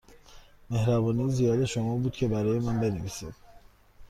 مهربانی زیاد شما بود که برای من بنویسید.